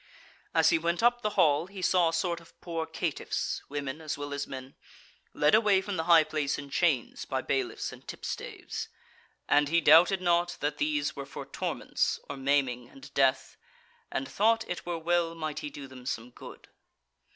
As he went up the hall he saw a sort of poor caytiffs, women as well as men, led away from the high place in chains by bailiffs and tipstaves; and he doubted not that these were for torments or maiming and death; and thought it were well might he do them some good.